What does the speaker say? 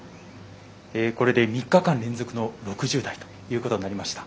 これで３日間連続の６０台ということになりました。